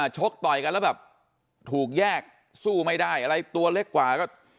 ชกต่อยกันแล้วแบบถูกแยกสู้ไม่ได้อะไรตัวเล็กกว่าก็